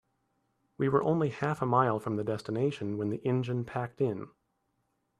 We were only half a mile from the destination when the engine packed in.